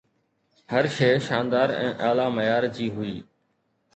هر شي شاندار ۽ اعلي معيار جي هئي